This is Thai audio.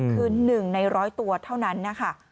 คือ๑ใน๑๐๐ตัวเท่านั้นนะคะ